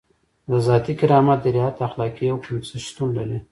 د ذاتي کرامت د رعایت اخلاقي حکم شتون لري.